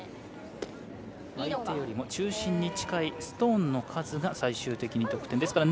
相手よりも中心に近いストーンの数が最終的に得点です。